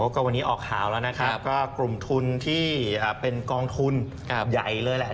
ก็วันนี้ออกข่าวแล้วนะครับก็กลุ่มทุนที่เป็นกองทุนใหญ่เลยแหละ